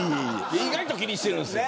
意外と気にしてるんですよ。